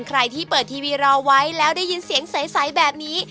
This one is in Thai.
ใครที่เปิดทีวีรอไว้แล้วได้ยินเสียงใสแบบนี้